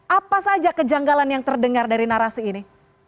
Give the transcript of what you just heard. apa saja kejanggalan yang terdengar dari narasi ini